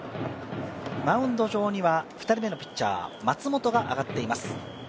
マウンド上には２人目のピッチャー松本が上がっています。